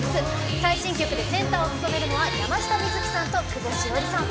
最新曲でセンターを務めるのは山下美月さんと久保史緒里さん。